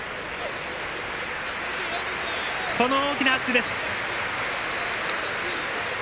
この大きな拍手です。